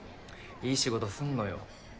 いい仕事すんのよ。